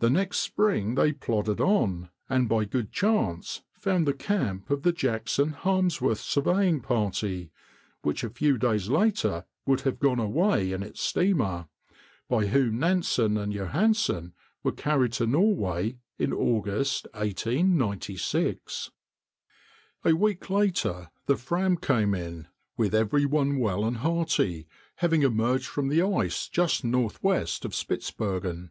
The next spring they plodded on, and by good chance found the camp of the Jackson Harmsworth surveying party (which a few days later would have gone away in its steamer), by whom Nansen and Johansen were carried to Norway in August, 1896. A week later the Fram came in, with every one well and hearty, having emerged from the ice just northwest of Spitzbergen.